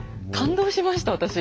感動しました私。